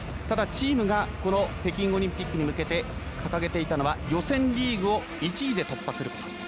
ただ、チームがこの北京オリンピックに向けて掲げていたのは予選リーグを１位で突破すること。